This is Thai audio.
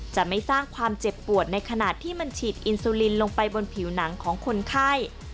จะไม่สร้างความเจ็บปวดในขณะที่มันฉีดอินซูลินลงไปบนผิวหนังของคนไข้